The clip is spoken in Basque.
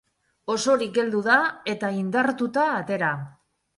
Osorik heldu da, eta indartuta atera.